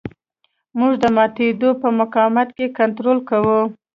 موږ د ماتېدو په مقابل کې کنټرول کوو